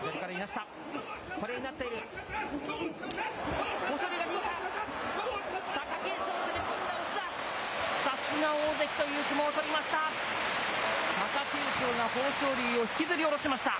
さすが大関という相撲を取りました。